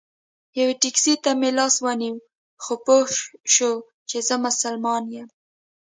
یوه ټیکسي ته مې لاس ونیو خو پوی شو چې زه مسلمان یم.